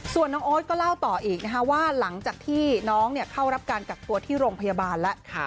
ส่วนน้องโอ๊ตก็เล่าต่ออีกนะคะว่าหลังจากที่น้องเข้ารับการกักตัวที่โรงพยาบาลแล้ว